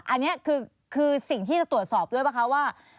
อันนี้คือสิ่งที่จะตรวจสอบด้วยป่ะคะว่า